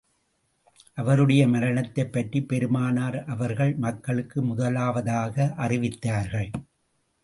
அவருடைய மரணத்தைப் பற்றிப் பெருமானார் அவர்கள் மக்களுக்கு முதலாவதாக அறிவித்தார்கள்.